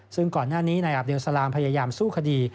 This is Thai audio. ซึ่งก่อนหน้านี้นายอับเลสลามพยายามสู้คดี